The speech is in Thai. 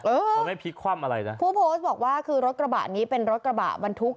เออมันไม่พลิกคว่ำอะไรนะผู้โพสต์บอกว่าคือรถกระบะนี้เป็นรถกระบะบรรทุก